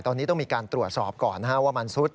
ตอนนี้ต้องมีการตรวจสอบก่อนว่ามันซุด